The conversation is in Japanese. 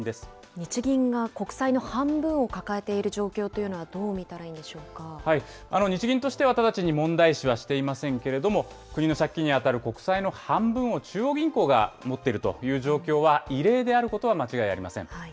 日銀が国債の半分を抱えている状況というのは、どう見たらい日銀としては直ちに問題視はしていませんけれども、国の借金に当たる国債の半分を中央銀行が持っているという状況は異例であることは間違いありません。